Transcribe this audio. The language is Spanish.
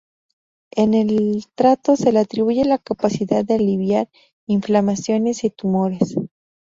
En el Tratado se le atribuye la capacidad de aliviar inflamaciones y tumores.